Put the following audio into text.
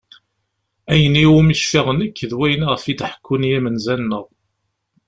Ayen iwumi cfiɣ nekk d wayen iɣef i d-ḥekkun yimenza-nneɣ.